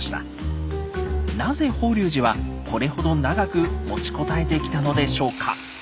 なぜ法隆寺はこれほど長く持ちこたえてきたのでしょうか？